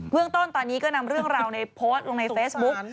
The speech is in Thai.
เรื่องต้นตอนนี้ก็นำเรื่องราวในโพสต์ลงในเฟซบุ๊ก